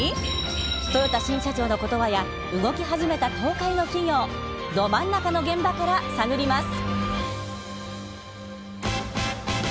トヨタ新社長の言葉や動き始めた東海の企業ドまんなかの現場から探ります。